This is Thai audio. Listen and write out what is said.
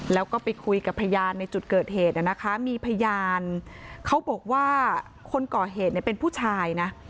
แล้วก็ไปคุยกับพยานในจุดเกิดเหตุนะคะมีพยานเขาบอกว่าคนก่อเหตุเนี่ยเป็นผู้ชายนะ